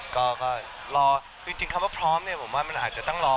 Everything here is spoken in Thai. ก็รอคือจริงคำว่าพร้อมเนี่ยผมว่ามันอาจจะต้องรอ